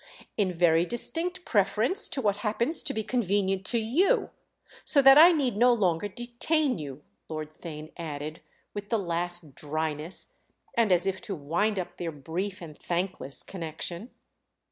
"In very distinct preference to what happens to be convenient to you! So that I need no longer detain you," Lord Theign added with the last dryness and as if to wind up their brief and thankless connection.